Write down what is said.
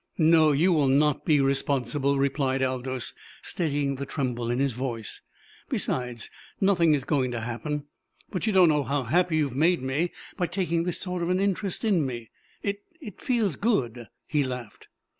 "No, you will not be responsible," replied Aldous, steadying the tremble in his voice. "Besides, nothing is going to happen. But you don't know how happy you have made me by taking this sort of an interest in me. It it feels good," he laughed.